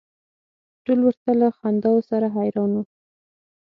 ټول ورته له خنداوو سره حیران و.